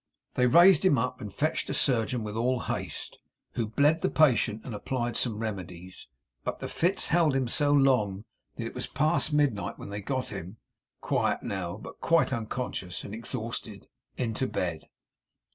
They raised him up, and fetched a surgeon with all haste, who bled the patient and applied some remedies; but the fits held him so long that it was past midnight when they got him quiet now, but quite unconscious and exhausted into bed.